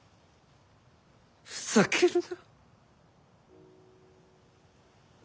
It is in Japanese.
ふざけるな！